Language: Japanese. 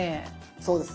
そうです。